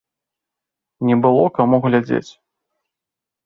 Не было каму глядзець.